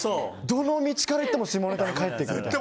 どの道からいっても下ネタに帰ってくる。